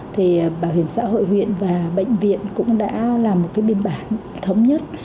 thì bảo hiểm xã hội huyện và bệnh viện cũng đã làm một cái biên bản thống nhất